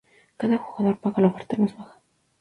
Cada jugador paga la oferta más baja.